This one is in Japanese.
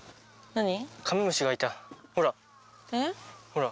ほら！